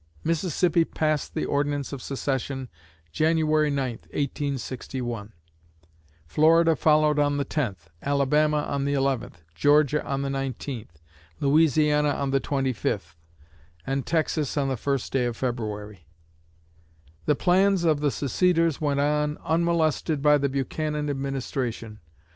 Mississippi passed the ordinance of secession January 9, 1861; Florida followed on the 10th; Alabama on the 11th; Georgia on the 19th; Louisiana on the 25th; and Texas on the 1st day of February. The plans of the seceders went on, unmolested by the Buchanan administration.